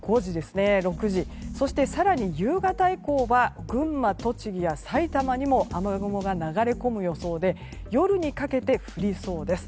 更に夕方以降は群馬、栃木やさいたまにも雨雲が流れ込む予想で夜にかけて降りそうです。